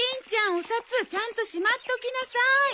お札ちゃんとしまっときなさい。